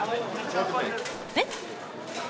えっ？